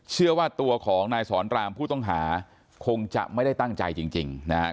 เชื่อว่าตัวของนายสอนรามผู้ต้องหาคงจะไม่ได้ตั้งใจจริงนะครับ